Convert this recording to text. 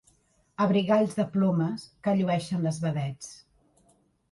Abrigalls de plomes que llueixen les vedets.